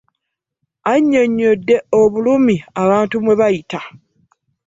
Annyonnyodde obulumi abantu mwe bayita.